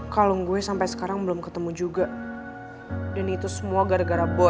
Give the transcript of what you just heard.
kalung gue sampai sekarang belum ketemu juga dan itu semua gara gara boo